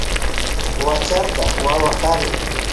Huacharka wawu kari.